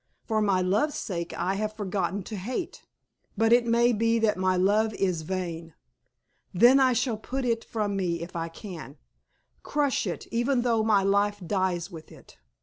For my love's sake I have forgotten to hate. But it may be that my love is vain. Then I shall put it from me if I can crush it even though my life dies with it.